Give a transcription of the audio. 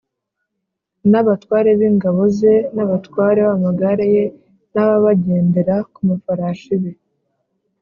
n’abatware b’ingabo ze n’abatware b’amagare ye n’ab’abagendera ku mafarashi be